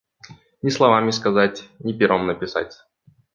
Ни словами сказать, ни пером написать.